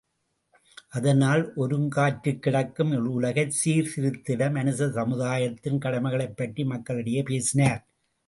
அதனால், ஒருங்கற்றுக்கிடக்கும் உலகை சீர்திருந்திட மனித சமுதாயத்தின் கடமைகளைப் பற்றி மக்களிடையே பேசினார்.